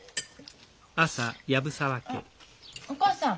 あお母さん